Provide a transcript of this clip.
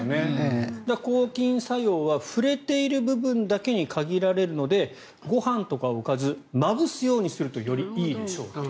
抗菌作用は触れている部分だけに限られるのでご飯とかおかずまぶすようにするとよりいいでしょうと。